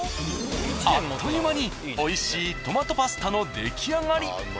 あっという間においしいトマトパスタの出来上がり。